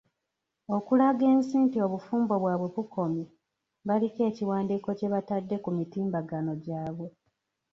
Okulaga ensi nti obufumbo bwabwe bukomye, baliko ekiwandiiko kyebatadde ku mitimbagano gyabwe .